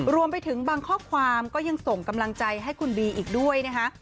รวมไปถึงบางข้อความก็ยังส่งกำลังใจให้คุณบีอีกด้วยนะคะ